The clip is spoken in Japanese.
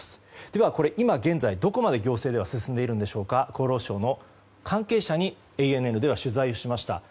では、今現在どこまで行政では進んでいるのか厚労省の関係者にＡＮＮでは取材しました。